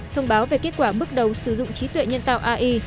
thông báo về kết quả bước đầu sử dụng trí tuệ nhân tạo ai